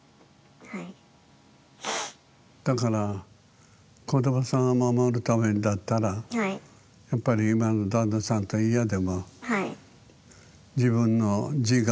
だから子どもさんを守るためにだったらやっぱり今の旦那さんと嫌でも自分の自我を通してきたんだから。